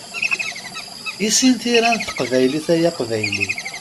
Issin tira n teqbaylit ay aqbayli!